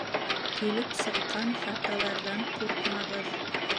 Килеп сыҡҡан хаталарҙан ҡурҡмағыҙ.